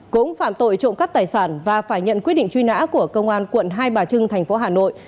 cũng phạm tội trộm cắp tài sản và phải nhận quyết định truy nã của công an quận hai bà trưng thành phố hà nội